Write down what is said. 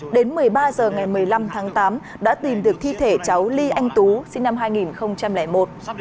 đến một mươi ba h ngày một mươi năm tháng tám đã tìm được thi thể cháu ly anh tú sinh năm hai nghìn một